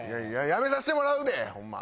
やめさせてもらうでホンマ。